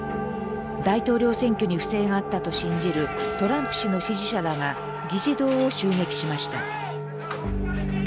大統領選挙に不正があったと信じるトランプ氏の支持者らが議事堂を襲撃しました。